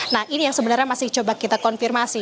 nah ini yang sebenarnya masih coba kita konfirmasi